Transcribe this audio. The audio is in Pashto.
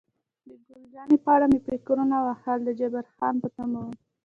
د ګل جانې په اړه مې فکرونه وهل، د جبار خان په تمه وم.